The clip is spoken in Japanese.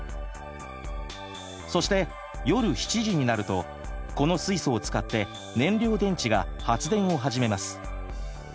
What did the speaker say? そして夜７時になるとこの水素を使って燃料電池が発電を始めます。